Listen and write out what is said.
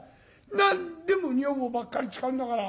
何でも女房ばっかり使うんだから。